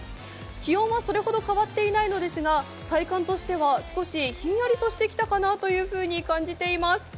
気温はそれほど変わっていないのですが体感としては少しひんやりとしてきたかなと感じています。